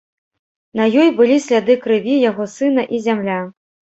На ёй былі сляды крыві яго сына і зямля.